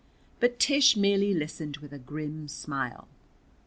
But Tish merely listened with a grim smile.